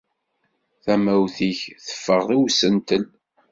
Tamawt-ik teffeɣ i usentel.